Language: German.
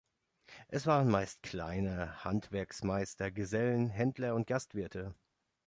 Es waren meist kleine Handwerksmeister, Gesellen, Händler und Gastwirte.